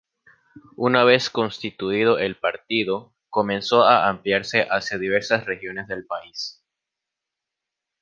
Una vez constituido el partido, comenzó a ampliarse hacia diversas regiones del país.